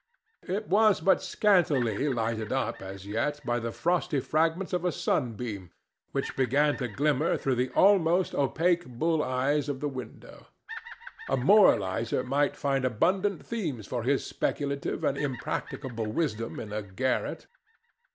It was but scantily lighted up as yet by the frosty fragments of a sunbeam which began to glimmer through the almost opaque bull eyes of the window. A moralizer might find abundant themes for his speculative and impracticable wisdom in a garret.